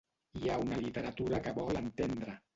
Hi ha una literatura que vol entendre.